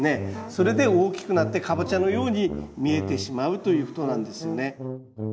それで大きくなってカボチャのように見えてしまうということなんですよね。